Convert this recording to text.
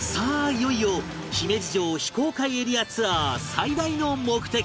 いよいよ姫路城非公開エリアツアー最大の目的へ！